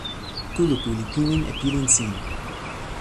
kulupu li pilin e pilin sin.